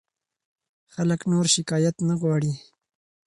خلک نور شکایت نه غواړي.